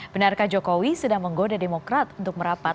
benarkah jokowi sedang menggoda demokrat untuk merapat